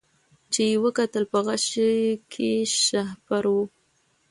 چي یې وکتل په غشي کي شهپر وو